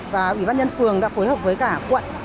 và bỉ bán nhân phường đã phối hợp với cả quận